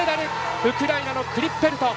ウクライナのクリッペルト。